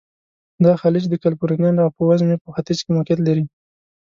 دا خلیج د کلفورنیا ټاپو وزمي په ختیځ کې موقعیت لري.